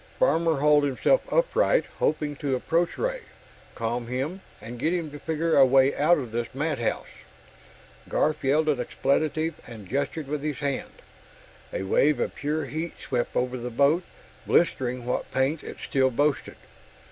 Farmer hauled himself upright, hoping to approach Ray, calm him, and get him to figure a way out of this madhouse. Garf yelled an expletive and gestured with his hand. A wave of pure heat swept over the boat, blistering what paint it still boasted.